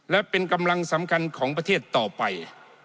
และเป็นกำลังสำคัญของประเทศต่อไป